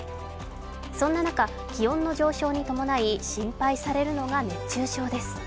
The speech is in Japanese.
そんな中、気温の上昇に伴い心配されるのが熱中症です。